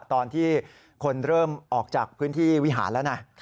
ตอนที่คนเริ่มออกจากพื้นที่วิหารแล้วนะ